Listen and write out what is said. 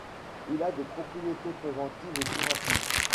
Il a des propriétés préventives et curatives.